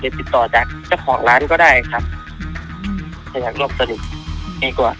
ติดต่อจากเจ้าของร้านก็ได้ครับอยากรวบสนิทดีกว่า